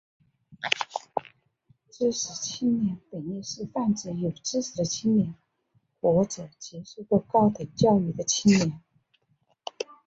知识青年本义是泛指有知识的青年或者接受过高等教育的青年。